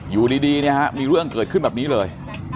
อยู่ดีเนี่ยฮะมีเรื่องเกิดขึ้นแบบนี้เลย